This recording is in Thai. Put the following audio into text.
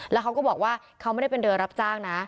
แล้วเขาก็บอกว่าเขาไม่ได้เป็นเรือรับจ้างนะ